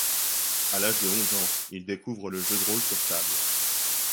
À l'âge de onze ans, il découvre le jeu de rôle sur table.